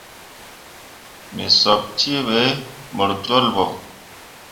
Me sop cee ɓe mor jolɓo.